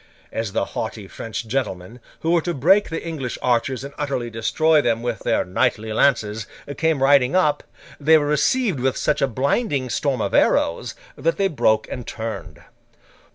As the haughty French gentlemen, who were to break the English archers and utterly destroy them with their knightly lances, came riding up, they were received with such a blinding storm of arrows, that they broke and turned.